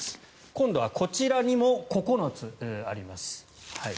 今度はこちらにも９つあります。